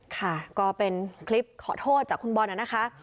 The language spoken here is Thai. ค่ะก็เป็นคลิปขอโทษจากคุณบอลนะคะ